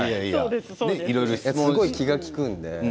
すごく気が利くので。